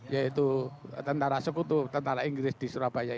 yaitu tentara sekutu tentara inggris di surabaya